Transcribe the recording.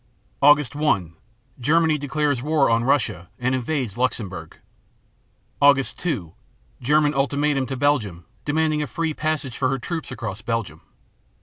Aug. 1 Germany declares war on Russia and invades Luxemburg. Aug. 2 German ultimatum to Belgium, demanding a free passage for her troops across Belgium.